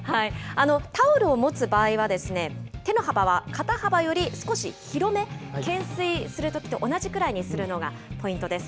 タオルを持つ場合は、手の幅は肩幅より少し広め、懸垂するときと同じくらいにするのがポイントです。